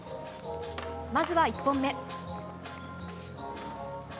まずは１本目。